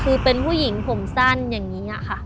คือเป็นผู้หญิงผมสั้นอย่างนี้ค่ะ